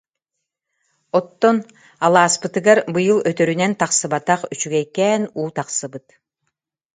Оттон, алааспытыгар быйыл өтөрүнэн тахсыбатах үчүгэйкээн уу тахсыбыт